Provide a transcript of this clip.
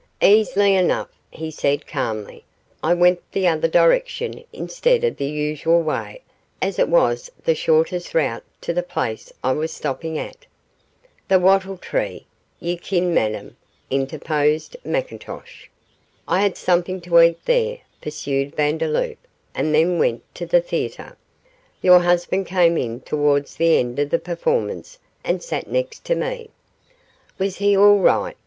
'Easily enough,' he said, calmly, 'I went the other direction instead of the usual way, as it was the shortest route to the place I was stopping at.' 'The "Wattle Tree", ye ken, Madame,' interposed McIntosh. 'I had something to eat there,' pursued Vandeloup, 'and then went to the theatre. Your husband came in towards the end of the performance and sat next to me.' 'Was he all right?